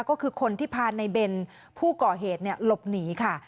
ก็คือคนที่พาในเบนผู้ก่อเหตุหลบหนีค่ะ